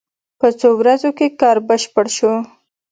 په څو ورځو کې کار بشپړ شو.